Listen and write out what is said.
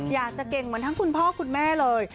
อยากจะเก่งเหมือนทั้งคุณพ่อคุณแม่เลย